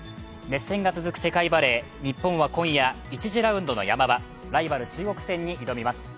熱戦が続く世界バレー、日本は今夜１次ラウンドのヤマ場、ライバル、中国戦に挑みます。